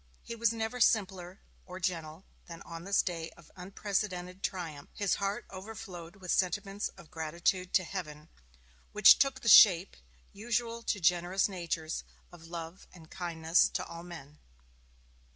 He was never simpler or gentler than on this day of unprecedented triumph; his heart overflowed with sentiments of gratitude to Heaven, which took the shape, usual to generous natures, of love and kindness to all men.